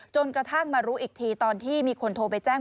กระทั่งมารู้อีกทีตอนที่มีคนโทรไปแจ้ง